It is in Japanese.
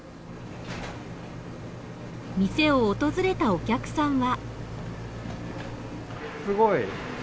店を訪れたお客さんは。